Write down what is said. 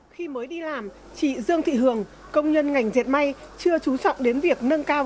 khi mới đi làm chị dương thị hường công nhân ngành diệt may chưa trú trọng đến việc nâng cao